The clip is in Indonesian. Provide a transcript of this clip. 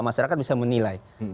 masyarakat bisa menilai